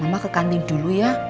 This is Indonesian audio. mama ke kantin dulu ya